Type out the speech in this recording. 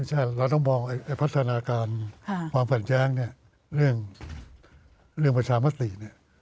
และเราต้องมองพัฒนาการความผลัดแย้งเรื่องประชามสตรี